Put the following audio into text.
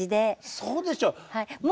そうでしょう。